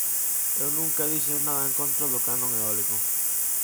Eu nunca dixen nada en contra do canon eólico.